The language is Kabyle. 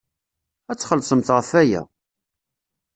Ad txellṣemt ɣef waya!